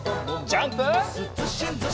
ジャンプ！